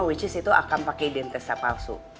which is itu akan pakai identitas palsu